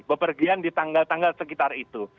bepergian di tanggal tanggal sekitar itu